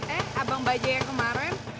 eh abang baja yang kemarin